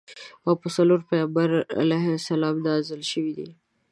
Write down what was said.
او په څلورو پیغمبرانو علیهم السلام نازل شویدي.